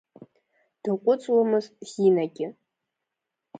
Даҟәыҵуамызт Зинагьы.